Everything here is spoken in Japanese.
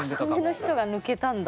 要の人が抜けたんだ。